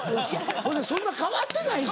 ほいでそんな変わってないし。